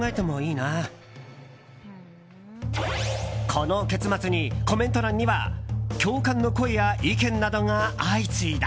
この結末に、コメント欄には共感の声や意見などが相次いだ。